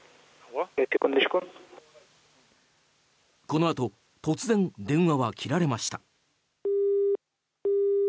このあと突然、電話は切られました。